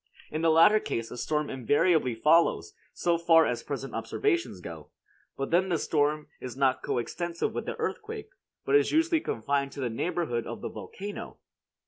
In the latter case a storm invariably follows, so far as present observations go; but then the storm is not co extensive with the earthquake, but is usually confined to the neighborhood of the volcano.